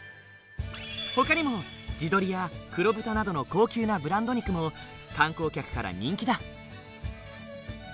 ほかにも地鶏や黒豚などの高級なブランド肉も観光客から人気だ。